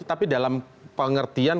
tapi dalam pengertian